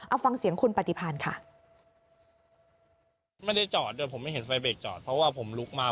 เอาฟังเสียงคุณปฏิพันธ์ค่ะ